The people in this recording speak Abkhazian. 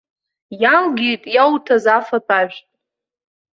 Иалгеит иауҭаз афатә-ажәтә.